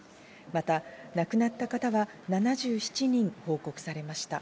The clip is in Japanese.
また亡くなった方は７７人報告されました。